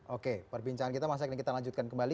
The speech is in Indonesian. oke perbincangan kita masak ini kita lanjutkan kembali